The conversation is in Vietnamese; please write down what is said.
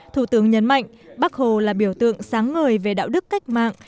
thủ tướng nhấn mạnh bác hồ là biểu tượng sáng ngời về đạo đức cách mạng